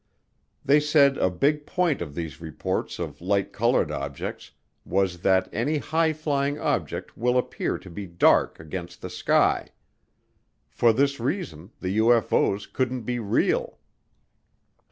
They said a big point of these reports of light colored objects was that any high flying object will appear to be dark against the sky. For this reason the UFO's couldn't be real.